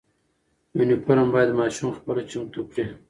یونیفرم باید ماشوم خپله چمتو کړي.